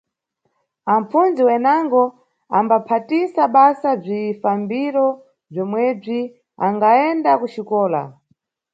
Apfundzi wenango ambaphatisa basa bzifambiro bzomwebzi angayenda kuxikola.